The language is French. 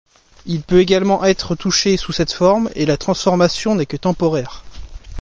Il peut également être touché sous cette forme et la transformation n'est que temporaire.